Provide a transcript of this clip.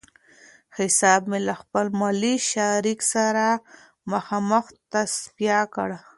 حساب مې له خپل مالي شریک سره مخامخ تصفیه کړ.